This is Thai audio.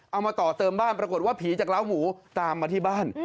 เอามาต่อเติมบ้านปรากฏว่าผีจากล้าวหมูตามมาที่บ้าน